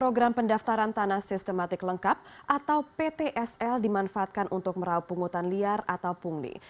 program pendaftaran tanah sistematik lengkap atau ptsl dimanfaatkan untuk merauh pungutan liar atau pungli